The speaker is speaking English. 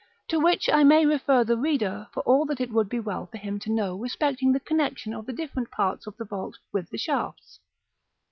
to which I may refer the reader for all that it would be well for him to know respecting the connexion of the different parts of the vault with the shafts.